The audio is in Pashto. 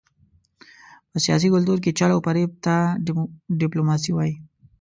په سیاسي کلتور کې چل او فرېب ته ډیپلوماسي وايي.